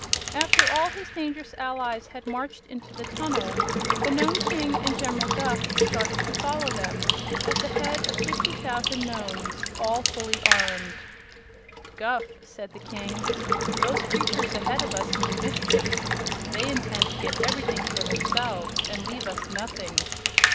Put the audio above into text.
After all his dangerous allies had marched into the tunnel the Nome King and General Guph started to follow them, at the head of fifty thousand Nomes, all fully armed. "Guph," said the King, "those creatures ahead of us mean mischief. They intend to get everything for themselves and leave us nothing."